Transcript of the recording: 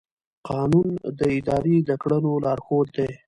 قانون د ادارې د کړنو لارښود دی.